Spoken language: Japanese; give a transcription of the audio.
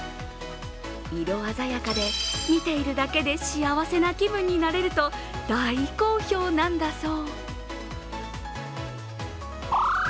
色鮮やかで、見ているだけで幸せな気分になれると大好評なんだそう。